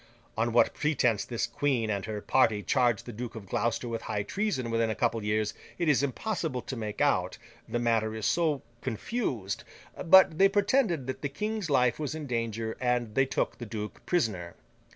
On what pretence this queen and her party charged the Duke of Gloucester with high treason within a couple of years, it is impossible to make out, the matter is so confused; but, they pretended that the King's life was in danger, and they took the duke prisoner.